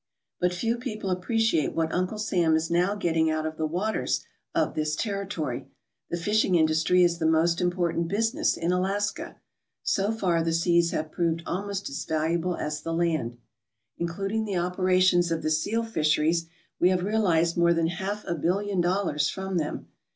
But few people appreciate what Uncle Sam is now getting out of the waters of this territory. The fishing industry is the most important business in Alaska. So far the seas have proved almost as valuable as the land. Including the operations of the seal fisheries, we have realized more than half a billion dollars from them.